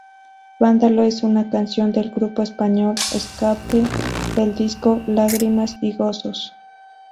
Vándalo es una canción del grupo español Ska-P, del disco "Lágrimas y gozos".